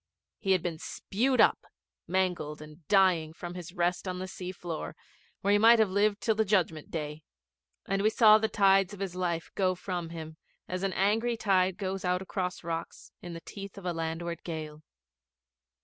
He had been spewed up, mangled and dying, from his rest on the sea floor, where he might have lived till the Judgment Day, and we saw the tides of his life go from him as an angry tide goes out across rocks in the teeth of a landward gale.